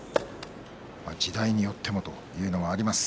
時代によってもというのがあります。